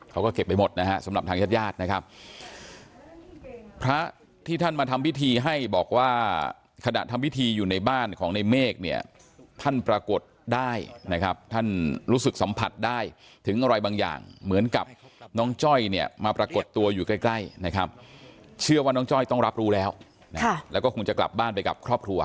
เขาก็เก็บไปหมดนะฮะสำหรับทางญาติญาตินะครับพระที่ท่านมาทำพิธีให้บอกว่าขณะทำพิธีอยู่ในบ้านของในเมฆเนี่ยท่านปรากฏได้นะครับท่านรู้สึกสัมผัสได้ถึงอะไรบางอย่างเหมือนกับน้องจ้อยเนี่ยมาปรากฏตัวอยู่ใกล้ใกล้นะครับเชื่อว่าน้องจ้อยต้องรับรู้แล้วนะแล้วก็คงจะกลับบ้านไปกับครอบครัว